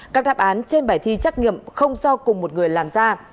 các đáp án trên bài thi trắc nghiệm không do cùng một người làm ra